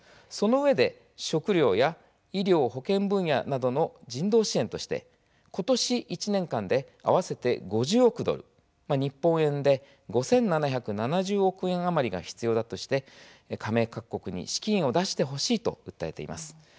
そのうえで、食料や医療・保健分野などの人道支援としてことし１年間で合わせて５０億ドル日本円で５７７０億円余りが必要だとして加盟各国に資金を出してほしいと訴えています。